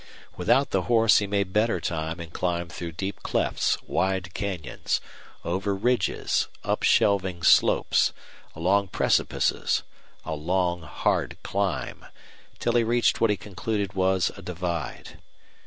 Without the horse he made better time and climbed through deep clefts, wide canyons, over ridges, up shelving slopes, along precipices a long, hard climb till he reached what he concluded was a divide.